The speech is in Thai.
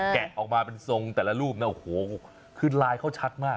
แกะออกมาเป็นทรงแต่ละรูปนะโอ้โหคือลายเขาชัดมาก